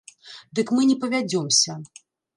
Дык мы не павядзёмся.